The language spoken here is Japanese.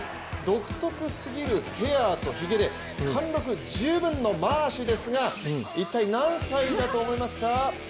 独特すぎるヘアとひげで貫禄十分のマーシュですが一体何歳だと思いますか？